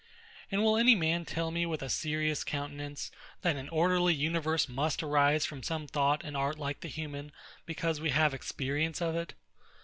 And will any man tell me with a serious countenance, that an orderly universe must arise from some thought and art like the human, because we have experience of it?